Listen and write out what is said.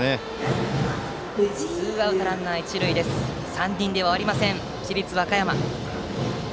３人では終わりません市立和歌山。